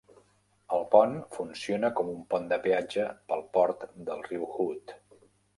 El pont funciona com un pont de peatge pel port del riu Hood.